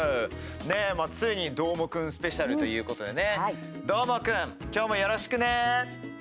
ねえ、もうついにどーもくんスペシャルということでねどーもくん、今日もよろしくね。